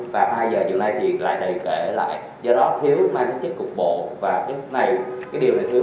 và hai giờ chiều nay thì lại đầy kể lại do đó thiếu mang chức cục bộ và cái điều này thiếu